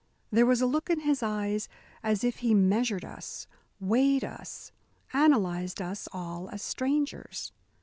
There was a look in his eyes as if he measured us, weighed us, analysed us all as strangers.